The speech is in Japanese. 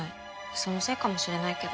そのせいかもしれないけど。